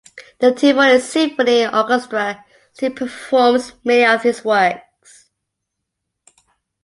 The Tivoli Symphony Orchestra still performs many of his works.